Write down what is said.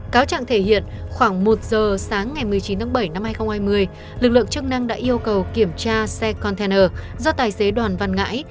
cáo trạng thể hiện khoảng một giờ sáng ngày một mươi chín tháng bảy năm hai nghìn hai mươi lực lượng chức năng đã yêu cầu kiểm tra xe container do tài xế đoàn văn ngãi